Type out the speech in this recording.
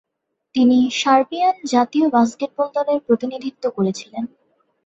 তিনি সার্বিয়ান জাতীয় বাস্কেটবল দলের প্রতিনিধিত্ব করেছিলেন।